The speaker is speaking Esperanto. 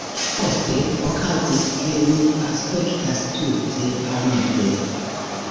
Poste okazis, ke li aspektas tute alie.